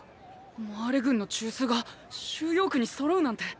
マーレ軍の中枢が収容区にそろうなんて。